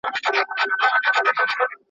خر غریب هم یوه ورځ په هرها سو.